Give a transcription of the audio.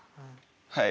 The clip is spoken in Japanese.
はい。